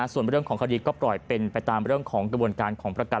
ส่วนเรื่องของคดีก็ปล่อยเป็นไปตามเรื่องของกระบวนการของประกัน